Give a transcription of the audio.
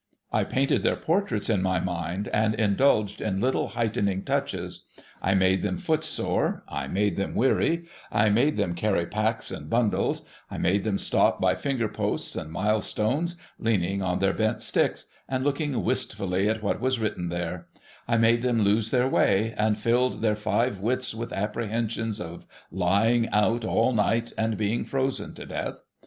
I painted their portraits in my mind, and indulged in little heightening touches. I made them footsore ; I made them weary ; I made them carry packs and bundles ; I made them stop by finger posts and milestones, leaning on their bent sticks, and looking wistfully at what was written there ; I made them lose their way ; and filled their five wits with apprehensions of lying out all night, and being frozen to death.